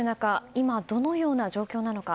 今、どのような状況なのか。